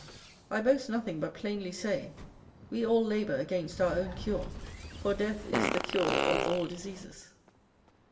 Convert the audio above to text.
I boast nothing, but plainly say, we all labour against our own cure; for death is the cure of all diseases.